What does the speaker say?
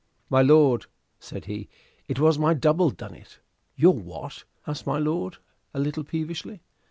"My lord," said he, "it was my double done it." "Your what?" asked my lord, a little peevishly.